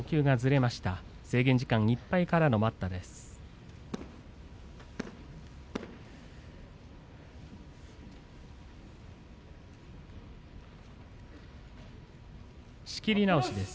制限時間いっぱいからの待ったです。